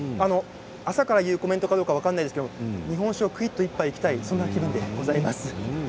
朝から言うコメントかどうか分かりませんが日本酒をくいっと１杯いきたい感じです。